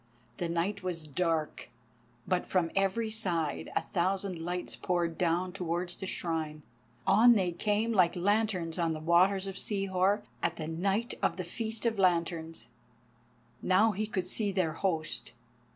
The night was dark, but from every side a thousand lights poured down towards the Shrine. On they came like lanterns on the waters of Sihor at the night of the feast of lanterns. Now he could see their host.